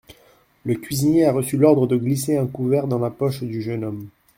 Le cuisinier a reçu l'ordre de glisser un couvert dans la poche du jeune homme.